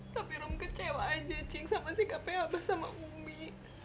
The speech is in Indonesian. tapi rum kecewa aja cing sama sikapnya abah sama umi